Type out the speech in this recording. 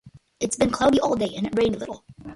It's been cloudy all day, and it rained a little.